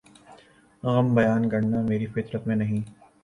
غم بیان کرنا میری فطرت میں نہیں